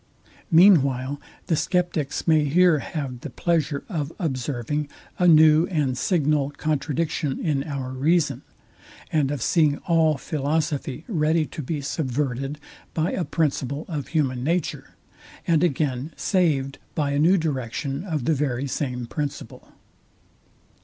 Mean while the sceptics may here have the pleasure of observing a new and signal contradiction in our reason, and of seeing all philosophy ready to be subverted by a principle of human nature, and again saved by a new direction of the very same principle.